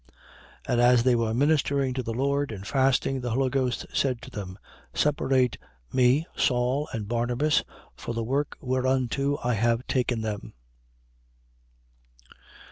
13:2. And as they were ministering to the Lord and fasting, the Holy Ghost said to them: Separate me Saul and Barnabas, for the work whereunto I have taken them.